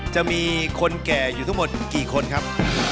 จะมีคนแก่อยู่ทั้งหมดกี่คนครับ